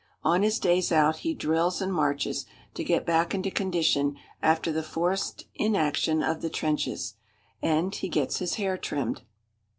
On his days out he drills and marches, to get back into condition after the forced inaction of the trenches. And he gets his hair trimmed.